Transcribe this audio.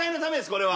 これは。